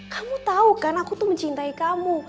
kamu tahu kan aku tuh mencintai kamu